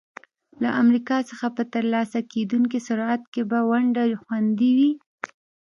له امریکا څخه په ترلاسه کېدونکي ثروت کې به ونډه خوندي وي.